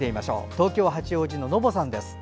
東京・八王子のノボさんです。